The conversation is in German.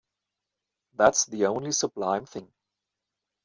That’s the only sublime thing.